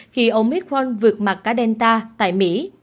khi omicron vượt mặt cả delta tại mỹ